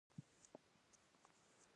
پاسپورتونه له حاجیانو اخیستل کېږي.